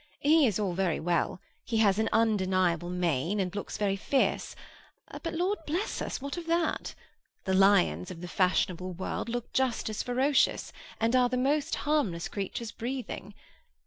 He is all very well; he has an undeniable mane, and looks very fierce; but, Lord bless us! what of that? The lions of the fashionable world look just as ferocious, and are the most harmless creatures breathing.